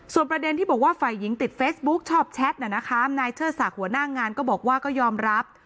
ประเด็นที่บอกว่าฝ่ายหญิงติดเฟซบุ๊กชอบแชทนายเชิดศักดิ์หัวหน้างานก็บอกว่าก็ยอมรับ